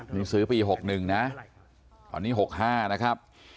นี่ซื้อปี๖๑นะตอนนี้๖๕นะครับ